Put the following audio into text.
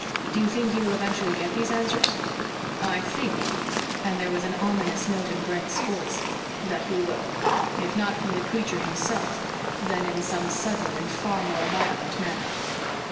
"Do you think you will eventually get these answers?" "I think," and there was an ominous note in Brent's voice, "that we will. If not from the creature himself, then in some sudden and far more violent manner."